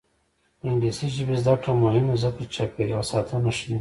د انګلیسي ژبې زده کړه مهمه ده ځکه چې چاپیریال ساتنه ښيي.